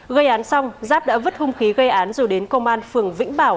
gây án xong giáp đã vứt hung khí gây án rồi đến công an phường vĩnh bảo